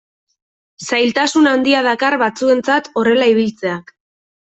Zailtasun handia dakar batzuentzat horrela ibiltzeak.